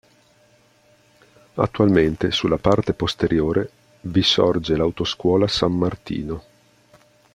Attualmente sulla parte posteriore vi sorge l'autoscuola San Martino.